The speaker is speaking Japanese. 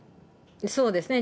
そうですね。